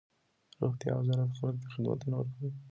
روغتیا وزارت خلک ته خدمتونه ورکوي.